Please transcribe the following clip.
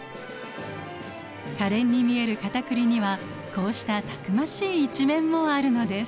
可憐に見えるカタクリにはこうしたたくましい一面もあるのです。